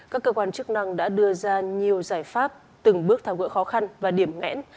các cơ quan chức năng đã đưa ra nhiều giải pháp từng bước tháo gỡ khó khăn và điểm ngẽn